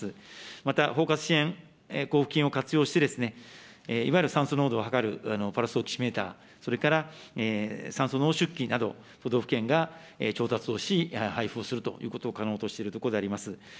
また包括支援交付金を活用して、いわゆる酸素濃度を測るパルスオキシメーター、それから酸素濃縮器など、都道府県が調達をし、配付をするということを可能としているところであります。